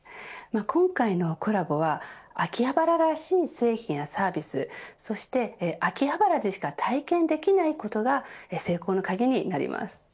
今回のコラボは秋葉原らしい製品やサービスそして秋葉原でしか体験できないことが成功の鍵になります。